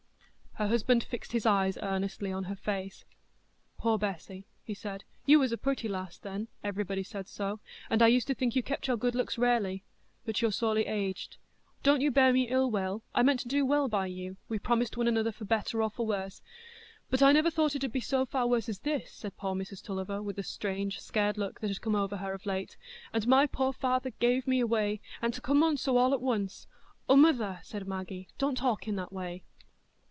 Her husband fixed his eyes earnestly on her face. "Poor Bessy," he said, "you was a pretty lass then,—everybody said so,—and I used to think you kept your good looks rarely. But you're sorely aged; don't you bear me ill will—I meant to do well by you—we promised one another for better or for worse——" "But I never thought it 'ud be so for worse as this," said poor Mrs Tulliver, with the strange, scared look that had come over her of late; "and my poor father gave me away—and to come on so all at once——" "Oh, mother!" said Maggie, "don't talk in that way."